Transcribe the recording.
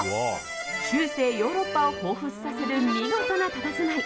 中世ヨーロッパをほうふつとさせる見事なたたずまい。